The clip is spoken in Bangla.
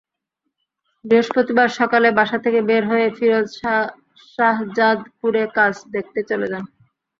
বৃহস্পতিবার সকালে বাসা থেকে বের হয়ে ফিরোজ শাহজাদপুরে কাজ দেখতে চলে যান।